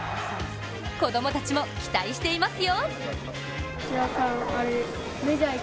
子供たちも期待していますよ！